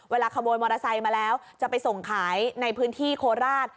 ขโมยมอเตอร์ไซค์มาแล้วจะไปส่งขายในพื้นที่โคราช